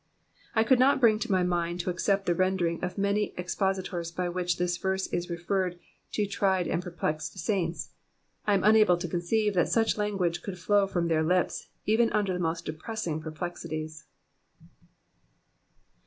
I could not bring my mind to accept the rendering of many expositors by which this verse is referred to tried and perplexed saints. I am unable to conceive that such language could flow from their lips, even under the mo£t depressing perplexities.